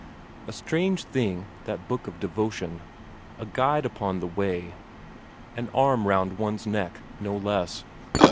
A strange thing that book of devotion, a guide upon the way, an arm round one's neck, no less.